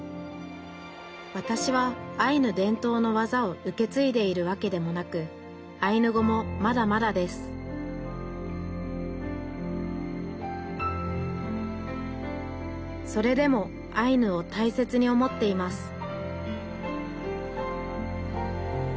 わたしはアイヌ伝統のわざを受け継いでいるわけでもなくアイヌ語もまだまだですそれでもアイヌを大切に思っています